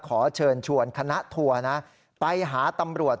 เพราะว่ามีทีมนี้ก็ตีความกันไปเยอะเลยนะครับ